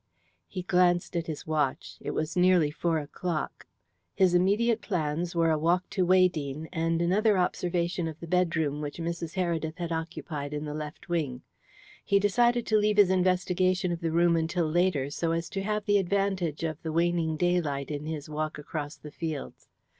He glanced at his watch. It was nearly four o'clock. His immediate plans were a walk to Weydene, and another observation of the bedroom which Mrs. Heredith had occupied in the left wing. He decided to leave his investigation of the room until later so as to have the advantage of the waning daylight in his walk across the fields.